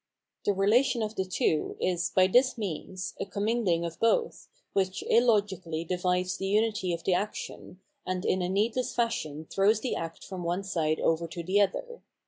The relation of the two is, by this means, a com mingling of both, which illogically divides the unity of the action, and in a needless fashion throws the act from one side over to the other.